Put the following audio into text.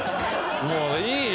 もういいよ。